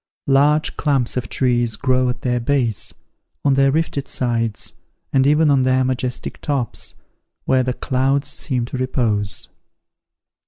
Large clumps of trees grow at their base, on their rifted sides, and even on their majestic tops, where the clouds seem to repose.